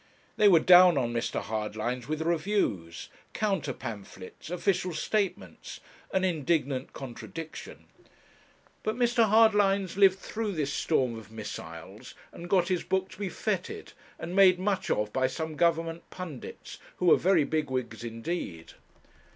They were down on Mr. Hardlines with reviews, counter pamphlets, official statements, and indignant contradiction; but Mr. Hardlines lived through this storm of missiles, and got his book to be fêted and made much of by some Government pundits, who were very bigwigs indeed.